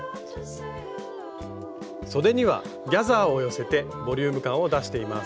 そでにはギャザーを寄せてボリューム感を出しています。